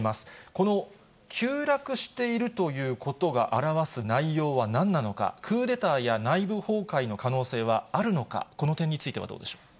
この急落しているということが表す内容はなんなのか、クーデターや内部崩壊の可能性はあるのか、この点についてはどうでしょう。